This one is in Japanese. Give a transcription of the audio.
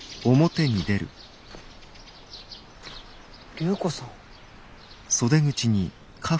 隆子さん。